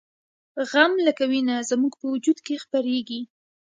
غم لکه وینه زموږ په وجود کې خپریږي